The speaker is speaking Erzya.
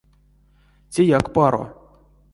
Теяк паро.